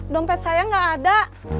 dompet saya nggak ada